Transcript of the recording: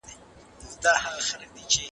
د ثواب په هدف حرام شی صدقه کول کفر دی